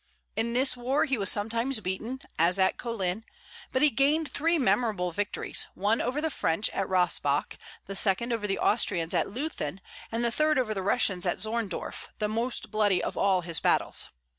In this war he was sometimes beaten, as at Kolin; but he gained three memorable victories, one over the French, at Rossbach; the second, over the Austrians, at Luthen; and the third, over the Russians, at Zorndorf, the most bloody of all his battles.